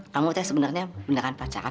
kamu teh sebenernya beneran pacaran